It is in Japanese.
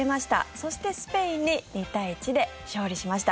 そして、スペインに２対１で勝利しました。